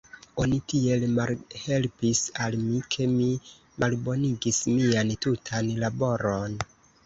Oni tiel malhelpis al mi, ke mi malbonigis mian tutan laboron.